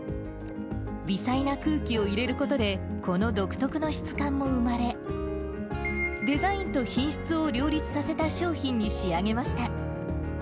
微細な空気を入れることで、この独特の質感も生まれ、デザインと品質を両立させた商品に仕上げました。